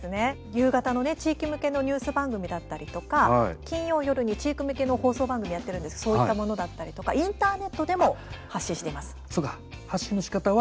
夕方の地域向けのニュース番組だったりとか金曜夜に地域向けの放送番組やってるんですけどそういったものだったりとかインターネットでもそうか。